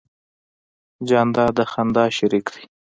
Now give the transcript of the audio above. جانداد د خندا شریک دی.